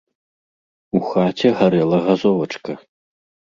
У хаце гарэла газовачка.